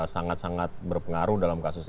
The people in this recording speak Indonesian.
sangat sangat berpengaruh dalam kasus ini